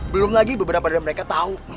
belum lagi beberapa dari mereka tahu